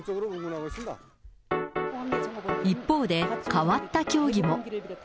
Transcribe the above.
一方で、変わった競技も。